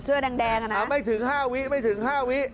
เสื้อแดงน่ะนะไม่ถึง๕วิ